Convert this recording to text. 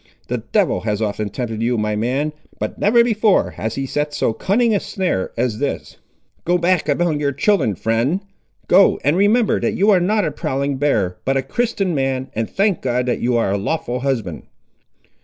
The devil has often tempted you, my man, but never before has he set so cunning a snare as this. Go back among your children, friend; go, and remember that you are not a prowling bear, but a Christian man, and thank God that you ar' a lawful husband!"